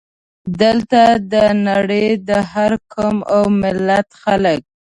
دلته د نړۍ د هر قوم او ملت خلک.